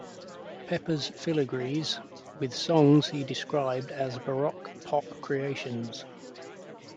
Pepper"s filigrees", with songs he described as baroque pop creations.